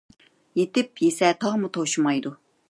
يېتىپ يېسە تاغمۇ توشىمايدۇ.